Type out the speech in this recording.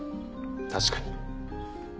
確かに。